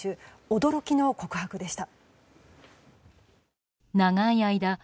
驚きの告白でした。